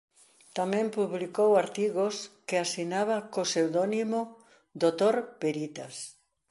Tamén publicou artigos que asinaba co pseudónimo Dr. Veritas.